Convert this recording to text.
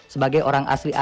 sebagai orang asli aja